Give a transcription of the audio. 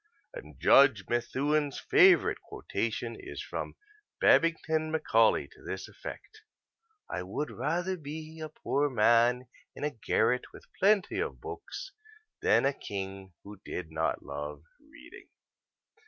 And Judge Methuen's favorite quotation is from Babington Macaulay to this effect: "I would rather be a poor man in a garret with plenty of books than a king who did not love reading."